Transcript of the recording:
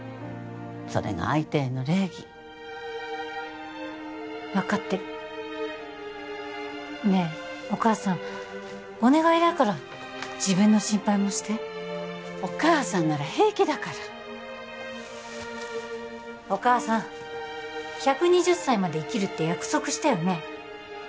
それが相手への礼儀分かってるねえお母さんお願いだから自分の心配もしてお母さんなら平気だからお母さん１２０歳まで生きるって約束したよね？